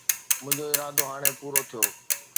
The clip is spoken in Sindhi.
منهنجو ارادو هاڻي پورو ٿيو